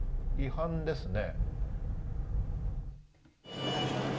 これ違反ですね。